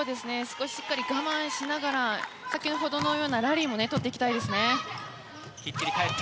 しっかり我慢しながら先ほどのようなラリーも取っていきたいです。